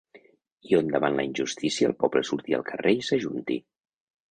I on davant la injustícia el poble surti al carrer i s’ajunti.